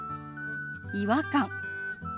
「違和感」。